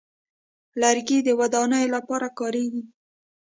لرګی د ودانیو لپاره کارېږي.